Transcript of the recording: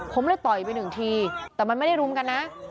ผมเลยต่อยไปหนึ่งทีแต่มันไม่ได้รุมกันนะ